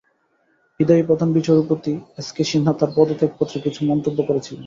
বিদায়ী প্রধান বিচারপতি এস কে সিনহা তাঁর পদত্যাগপত্রে কিছু মন্তব্য করেছিলেন।